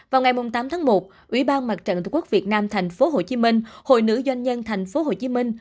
vào ngày tám tháng một ủy ban mặt trận tổ quốc việt nam thành phố hồ chí minh hội nữ doanh nhân thành phố hồ chí minh